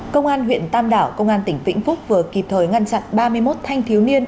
công an huyện tam đảo công an tỉnh vĩnh phúc vừa kịp thời ngăn chặn ba mươi một thanh thiếu niên